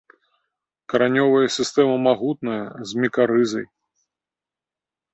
Каранёвая сістэма магутная, з мікарызай.